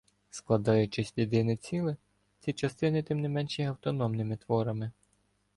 Складаючись в єдине ціле, ці частини тим не менш є автономними творами.